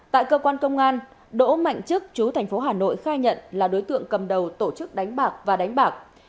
tại cơ quan công an đỗ mạnh trức chú tp hà nội khai nhận là đối tượng cầm đầu tổ chức đánh bạc và đánh bạc